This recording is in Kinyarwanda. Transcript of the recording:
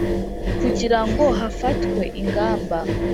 kugira ngo hafatwe ingamba